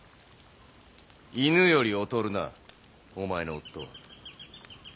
犬より劣るなお前の夫は。